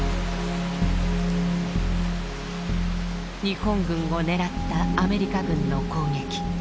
日本軍を狙ったアメリカ軍の攻撃。